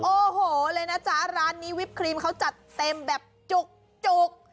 โอ้โหเลยนะจ๊ะร้านนี้วิปครีมเขาจัดเต็มแบบจุก